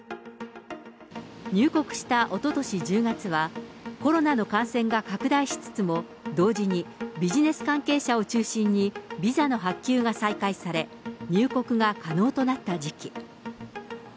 入国したおととし１０月は、コロナの感染が拡大しつつも、同時にビジネス関係者を中心にビザの発給が再開され、入国が可能となった時期。